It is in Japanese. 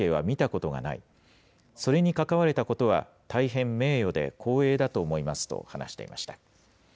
このような協力関係は見たことがない、それに関われたことは、大変名誉で光栄だと思いますと話していました。